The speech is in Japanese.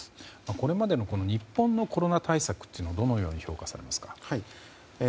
これまでの日本のコロナ対策というのはどのように評価されますか？